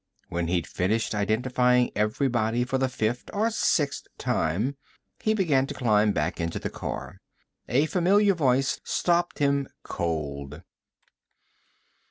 When he'd finished identifying everybody for the fifth or sixth time, he began to climb back into the car. A familiar voice stopped him cold.